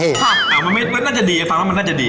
เอ้ามันน่าจะดีฟังว่ามันน่าจะดี